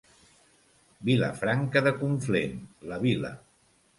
Vilafranca de Conflent, la vila.